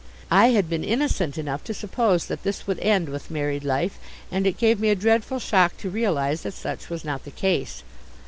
I had been innocent enough to suppose that this would end with married life, and it gave me a dreadful shock to realize that such was not the case.